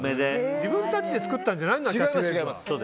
自分たちで作ったんじゃないんだ。